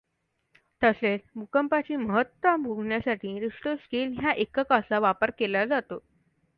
तसेच भूकंपाची महत्ता मोजण्यासाठी रिश्टर स्केल ह्या एककाचा वापर केला जातो.